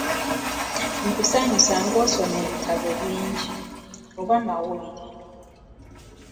Kusanyusa ng'osoma ebitabo ebirungi, oba amawulire.